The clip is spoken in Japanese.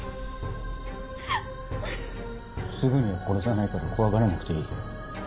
すぐには殺さないから怖がらなくていい。